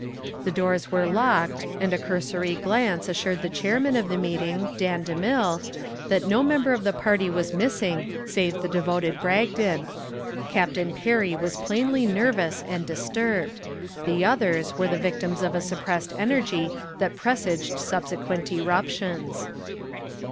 The doors were locked and a cursory glance assured the chairman of the meeting, Dan DeMille, that no member of the party was missing save the devoted Bragdon. Captain Perry was plainly nervous and disturbed. The others were the victims of a suppressed energy that presaged subsequent eruptions.